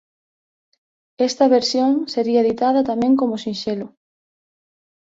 Esta versión sería editada tamén como sinxelo.